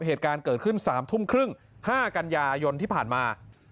เหตุการณ์เกิดขึ้น๓ทุ่มครึ่ง๕กันยายนที่ผ่านมา